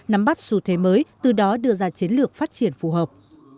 nắm bắt xu thế mới từ đó đưa ra chiến lược phát triển phù hợp